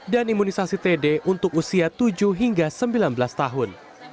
dan imunisasi td untuk usia tujuh hingga sembilan belas tahun